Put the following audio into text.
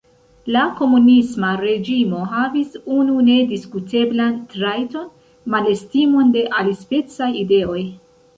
La komunisma reĝimo havis unu nediskuteblan trajton: malestimon de alispecaj ideoj.